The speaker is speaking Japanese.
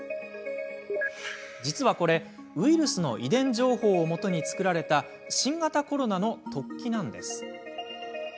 実はこれ、ウイルスの遺伝情報をもとに作られた新型コロナの突起なんです。